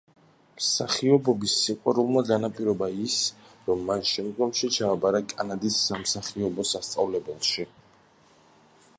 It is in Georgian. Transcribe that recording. მსახიობობის სიყვარულმა განაპირობა ის, რომ მან შემდგომში ჩააბარა კანადის სამსახიობო სასწავლებელში.